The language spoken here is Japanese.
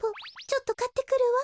ちょっとかってくるわ。